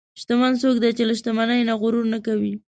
شتمن څوک دی چې له شتمنۍ نه غرور نه کوي.